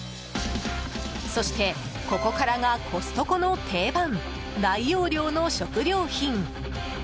そしてここからがコストコの定番大容量の食料品。